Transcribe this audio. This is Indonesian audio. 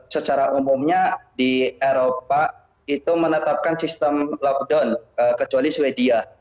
secara umumnya di eropa itu menetapkan sistem lockdown kecuali swedia